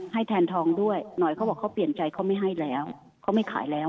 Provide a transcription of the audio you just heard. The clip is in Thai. ให้แทนทองด้วยหน่อยเขาบอกเขาเปลี่ยนใจเขาไม่ให้แล้วเขาไม่ขายแล้ว